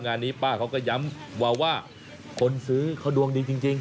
งานนี้ป้าเขาก็ย้ำว่าคนซื้อเขาดวงดีจริง